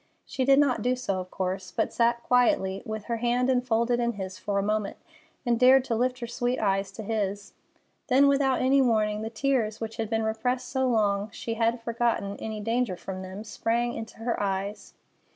She did not do so, of course, but sat quietly with her hand enfolded in his for a moment, and dared to lift her sweet eyes to his. Then, without any warning, the tears, which had been repressed so long she had forgotten any danger from them, sprang into her eyes.